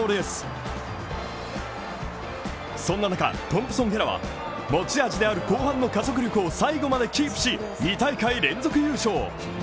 トンプソン・ヘラは持ち味である後半の加速力を最後までキープし、２大会連続優勝。